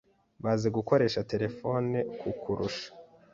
bazi gukoresha terefone kukurusha,